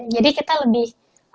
jadi kita lebih